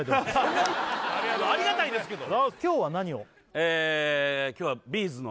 ありがたいですけど今日は何を？